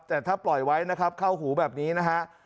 แต่ถ้าปล่อยไว้นะครับเข้าหูแบบนี้นะฮะ